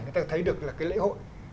người ta thấy được lễ hội